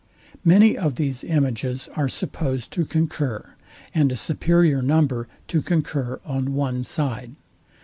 Many of these images are supposed to concur, and a superior number to concur on one side.